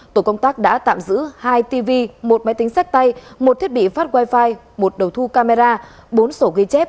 tổ công tác đã tạm giữ hai tv một máy tính sách tay một thiết bị phát wifi một đầu thu camera bốn sổ ghi chép